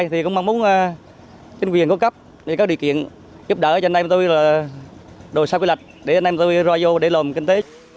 thì cũng mong muốn chính quyền cố cấp các điều kiện giúp đỡ cho anh em tôi là đổi sao quy lạch để anh em tôi ra vô để lồn kinh tế